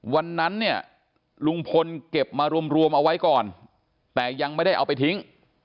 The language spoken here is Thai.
วันนั้นเนี่ยลุงพลเก็บมารวมเอาไว้ก่อนแต่ยังไม่ได้เอาไปทิ้ง